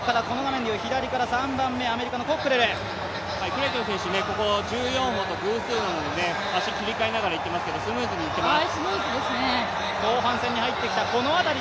クレイトン選手、１４歩と偶数なので足を切り替えながらいっていますが、スムーズにいっています。